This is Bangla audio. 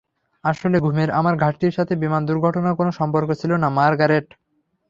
আসলে, ঘুমের আমার ঘাটতির সাথে বিমান দূর্ঘটনার কোনো সম্পর্ক ছিল না, মার্গারেট।